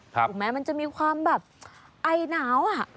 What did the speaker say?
ถูกไหมมันจะมีความแบบไอหนาวอ่ะ